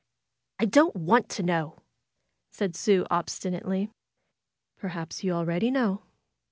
don't want to know !" said Sue obstinately. Perhaps you already know.